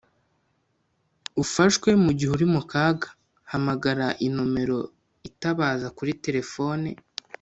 ufashwe mu gihe uri mu kaga hamagara inomero itabaza kuri telefone